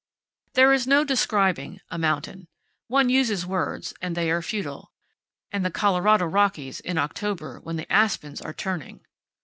There is no describing a mountain. One uses words, and they are futile. And the Colorado Rockies, in October, when the aspens are turning!